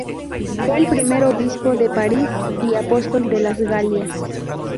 Fue el primer obispo de París, y apóstol de las Galias.